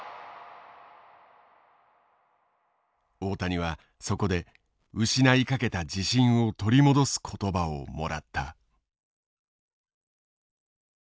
大谷はそこで失いかけた自信を取り戻す言葉をもらった。